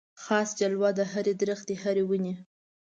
خاص جلوه د هري درختي هري وني